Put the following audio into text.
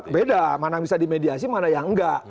beda mana bisa dimediasi mana yang enggak